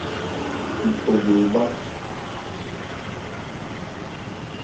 Cu tɔ bhwe obhá.